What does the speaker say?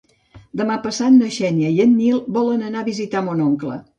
Demà passat na Xènia i en Nil volen anar a visitar mon oncle.